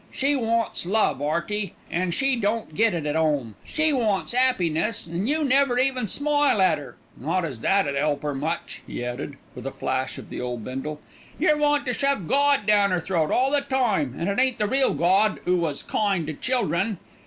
"She wants love, 'Earty, an' she don't get it at 'ome. She wants 'appiness, an' you never even smile at 'er not as that 'ud 'elp 'er much," he added, with a flash of the old Bindle. "Yer want to shove Gawd down 'er throat all the time, and it ain't the real Gawd 'oo was kind to children."